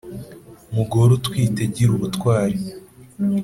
mugore utwite gira ubutwari